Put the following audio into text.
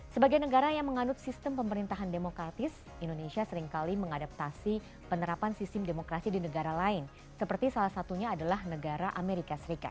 sebagai negara yang menganut sistem pemerintahan demokratis indonesia seringkali mengadaptasi penerapan sistem demokrasi di negara lain seperti salah satunya adalah negara amerika serikat